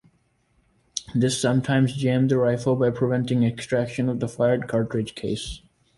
This sometimes jammed the rifle by preventing extraction of the fired cartridge case.